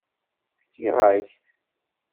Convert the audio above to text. Fkiɣ-ak-t.